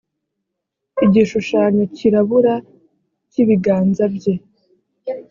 igishushanyo cyirabura cy’ibiganza bye